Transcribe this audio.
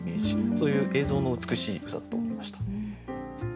そういう映像の美しい歌だと思いました。